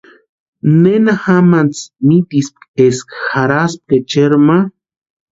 ¿Nena jamantsï mitispki eska jarhaspka echeri ma?